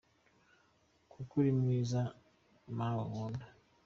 Kuko uri mwiza mawe nkunda.